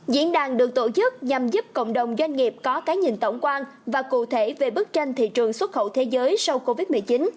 diễn đàn được tổ chức nhằm giúp cộng đồng doanh nghiệp có cái nhìn tổng quan và cụ thể về bức tranh thị trường xuất khẩu thế giới sau covid một mươi chín